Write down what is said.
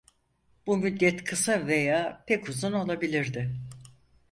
Bu müddet kısa veya pek uzun olabilirdi.